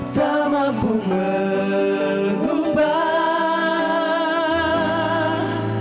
tak mampu mengubah